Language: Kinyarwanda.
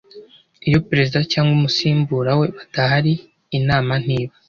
iyo perezida cyangwa umusimbura we badahari inama ntiba